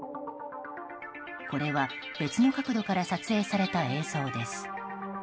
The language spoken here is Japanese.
これは、別の角度から撮影された映像です。